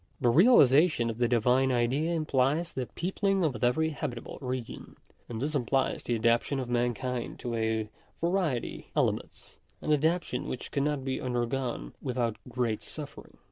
The realization of the Divine Idea implies the peopling of every habitable region ; and this implies the adapt ation of mankind to a variety of climates — an adaptation which cannot be undergone without great suffering.